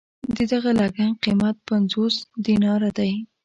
د دغه لنګ قېمت پنځوس دیناره دی.